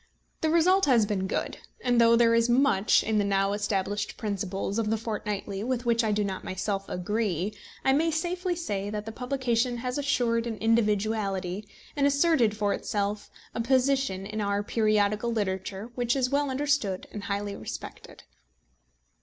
The result has been good; and though there is much in the now established principles of The Fortnightly with which I do not myself agree, I may safely say that the publication has assured an individuality, and asserted for itself a position in our periodical literature, which is well understood and highly respected.